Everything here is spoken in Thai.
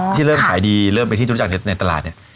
ที่เริ่มไปที่กับในตลาด